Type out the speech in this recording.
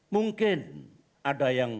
mungkin ada yang